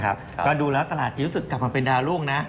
ก็ดูแล้วตลาดจะรู้สึกกลับมาเป็นดาวรุ่งนะ